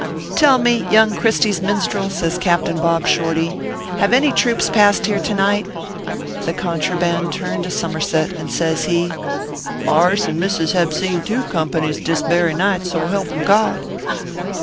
"Tell me, young Christy s minstrel," says Cap tain Bob Shorty, "have any troops passed here to night ?" The contraband turned a summerset, and says he :" Mars and misses hab seen two companies dis berry night, so helpum God."